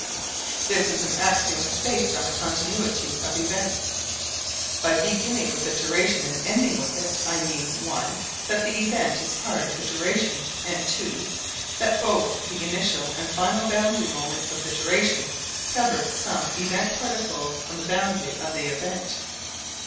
This is an axiom based on the continuity of events. By beginning with a duration and ending with it, I mean (i) that the event is part of the duration, and (ii) that both the initial and final boundary moments of the duration cover some event particles on the boundary of the event.